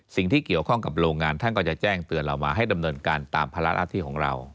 สิ่งที่เกี่ยวข้องกับโรงงานท่านก็จะแจ้งเตือนเรามาให้ดำเนินการตามภาระหน้าที่ของเรา